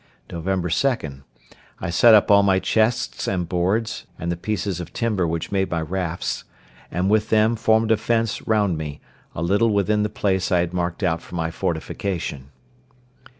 Nov. 2.—I set up all my chests and boards, and the pieces of timber which made my rafts, and with them formed a fence round me, a little within the place I had marked out for my fortification.